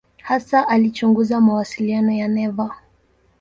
Hasa alichunguza mawasiliano ya neva.